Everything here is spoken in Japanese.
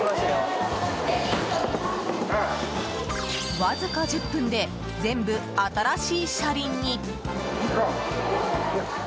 わずか１０分で全部、新しい車輪に！